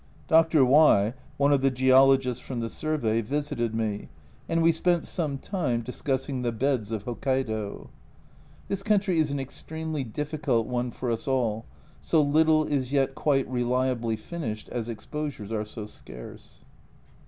Dr. Y , one of the geologists from the Survey, visited me and we spent some time discussing the 38 A Journal from Japan beds of Hokkaido. This country is an extremely difficult one for us all, so little is yet quite reliably finished, as exposures are so scarce.